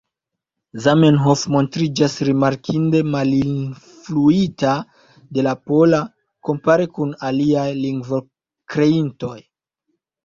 Zamenhof montriĝas rimarkinde malinfluita de la pola, kompare kun aliaj lingvokreintoj.